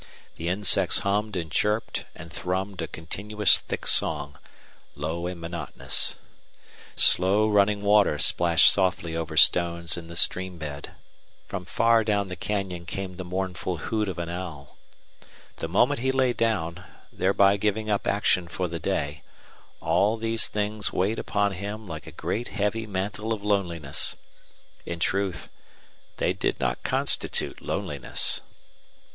The insects hummed and chirped and thrummed a continuous thick song, low and monotonous. Slow running water splashed softly over stones in the stream bed. From far down the canyon came the mournful hoot of an owl. The moment he lay down, thereby giving up action for the day, all these things weighed upon him like a great heavy mantle of loneliness. In truth, they did not constitute loneliness.